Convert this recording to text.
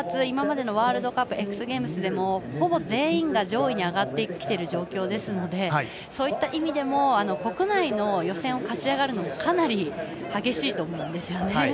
今までのワールドカップＸＧＡＭＥＳでもほぼ全員が上位に上がってきている状況ですのでそういった意味でも国内の予選を勝ち上がるのはかなり激しいと思うんですね。